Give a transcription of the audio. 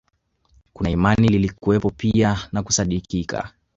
Kuna imani ilikuwepo pia na kusadikika